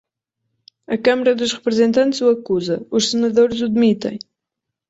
A Câmara dos Representantes o acusa, os senadores o demitem.